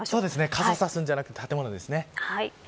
傘をさすんじゃなくて建物ですね。